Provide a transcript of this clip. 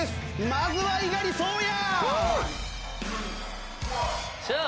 まずは猪狩蒼弥！